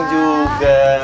sebentar ya pak ya